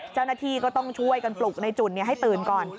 เจ้าหน้าที่ก็ต้องช่วยกันปลุกในจุ่นให้ตื่นก่อน